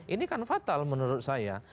ini kan fatal menurut saya